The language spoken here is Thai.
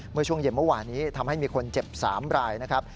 เมื่อช่วงเย็นเมื่อวานนี้ทำให้มีคนเจ็บ๓รายนะครับ